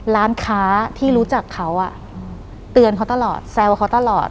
ร้านค้าที่รู้จักเขาเตือนเขาตลอดแซวเขาตลอด